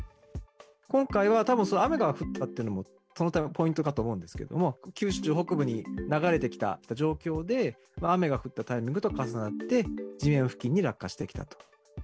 今回はたぶん、雨が降ったっていうのが、その点はポイントかと思うんですけど、九州北部に流れてきた状況で、雨が降ったタイミングと重なって、地面付近に落下してきたと。